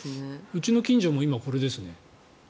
うちの近所も今、これですね。